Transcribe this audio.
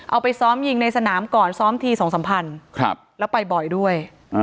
เอาไปซ้อมยิงในสนามก่อนซ้อมที๒สัมพันธ์แล้วไปบ่อยด้วย